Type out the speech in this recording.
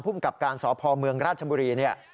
ผู้กับการสอพอมเมืองราชบุรี